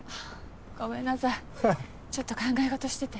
ごめんなさいちょっと考え事してて。